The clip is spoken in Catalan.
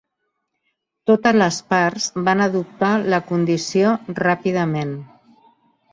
Totes les parts van adoptar la condició ràpidament.